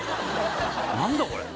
何だこれ？